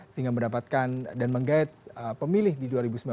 sehingga mendapatkan dan menggait pemilih di dua ribu sembilan belas